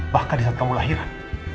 bahkan disaat kamu lahiran